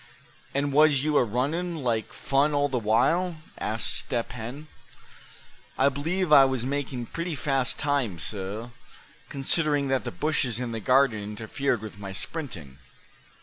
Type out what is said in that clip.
"And was you arunnin' like fun all the while?" asked Step Hen. "I believe I was making pretty fast time, suh, considerin' that the bushes in the garden interfered with my sprinting.